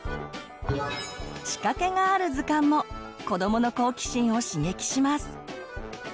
仕掛けがある図鑑も子どもの好奇心を刺激します。